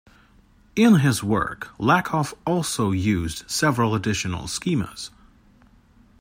In his work, Lakoff also used several additional schemas.